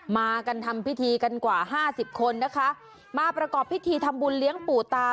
มากันทำพิธีกันกว่าห้าสิบคนนะคะมาประกอบพิธีทำบุญเลี้ยงปู่ตา